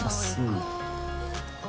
うん。